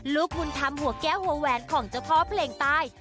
ลูกบุญธรรมหัวแก้วหัวแหวนของเจ้าพ่อเพลงใต้